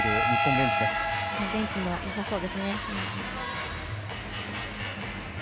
ベンチもよさそうですね。